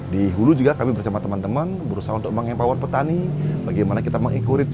di hulu juga kami bersama teman teman berusaha untuk mengempawan petani bagaimana kita meng encourage